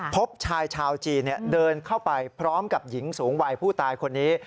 พบชายชาวจีนเดินเข้าไปพร้อมกับหญิงสูงวัยผู้ตายคนนี้